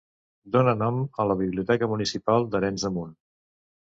Dóna nom a la biblioteca municipal d'Arenys de Munt.